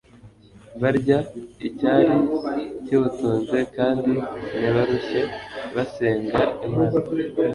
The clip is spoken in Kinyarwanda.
barya icyari kiwutunze, kandi ntibarushye basenga imana